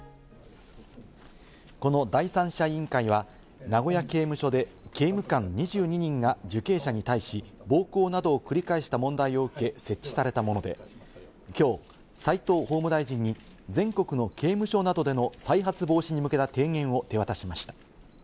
この第三者委員会は名古屋刑務所で刑務官２２人が受刑者に対し暴行などを繰り返した問題を受け、設置されたもので、きょう、齋藤法務大臣に全国の刑務所などでの再発防止に向けた提言を手渡しました。